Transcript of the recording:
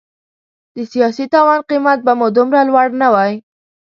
د سیاسي تاوان قیمت به مو دومره لوړ نه وای.